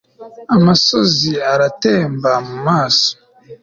amosozi aratemba mu maso